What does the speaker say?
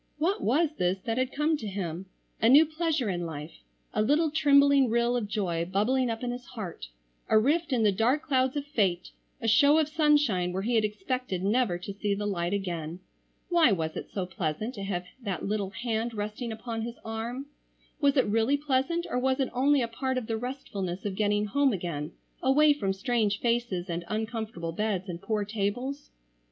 What was this that had come to him? A new pleasure in life. A little trembling rill of joy bubbling up in his heart; a rift in the dark clouds of fate; a show of sunshine where he had expected never to see the light again. Why was it so pleasant to have that little hand resting upon his arm? Was it really pleasant or was it only a part of the restfulness of getting home again away from strange faces and uncomfortable beds, and poor tables?